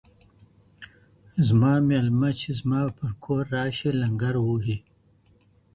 زما مېلمه چې زما پر کور راشي لنگر ووهي